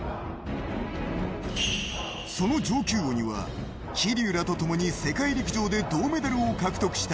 その上級鬼は桐生らと共に世界大会でメダルを獲得した